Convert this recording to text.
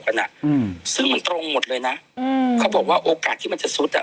กันอ่ะอืมซึ่งมันตรงหมดเลยนะอืมเขาบอกว่าโอกาสที่มันจะซุดอ่ะ